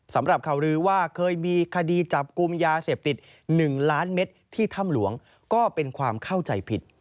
สำหรับข่าวลือว่าเคยมีคดีจับกลุ่มยาเสพติด๑ล้านเม็ดที่ถ้ำหลวงก็เป็นความเข้าใจผิด